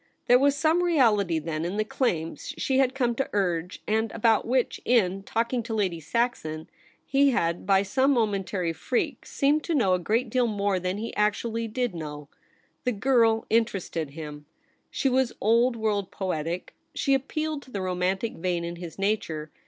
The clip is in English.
There was some reality then in the claims she had come to urge, and about which, in talking to Lady Saxon, he had by some momentary 'IF YOU WERE queen: 99 freak seemed to know a great deal more than he actually did know. The girl interested him. She was old world, poetic. She appealed to the romantic vein in his nature.